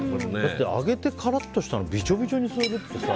揚げてカラッとしたものをびちょびちょになるけど。